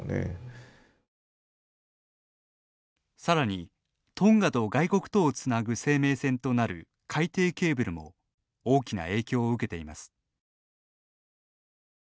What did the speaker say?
さらにトンガと外国とをつなぐ生命線となる海底ケーブルも大きな影響を受けています。